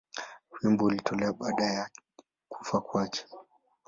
Wimbo ulitolewa baada ya kufa kwake.